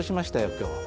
今日。